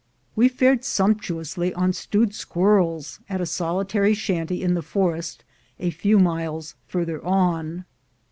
We fared sumptuously on stewed squirrels at a solitary shanty in the forest a few miles farther on.